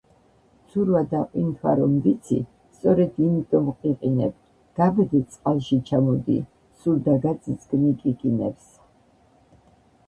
ცურვა და ყვინთვა რომ ვიცი, სწორედ იმიტომ ვყიყინებ, გაბედე, წყალში ჩამოდი, სულ დაგაწიწკნი კიკინებს!